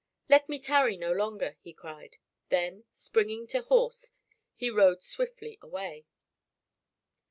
"Let me tarry no longer," he cried. Then springing to horse he rode swiftly away.